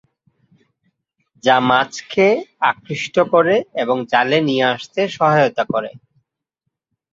যা মাছকে আকৃষ্ট করে এবং জালে নিয়ে আসতে সহায়তা করে।